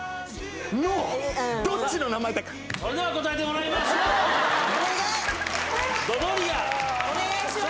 のどっちの名前だかそれでは答えてもらいましょうお願いドドリアお願いします